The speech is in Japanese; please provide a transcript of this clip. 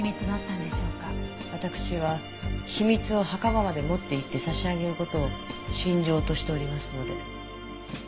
わたくしは秘密を墓場まで持っていって差し上げる事を信条としておりますので。